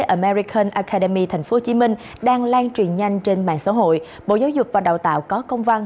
ở maricon academy tp hcm đang lan truyền nhanh trên mạng xã hội bộ giáo dục và đào tạo có công văn